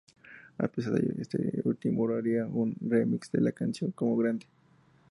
A pesar de ello, este último haría un remix de la canción con Grande.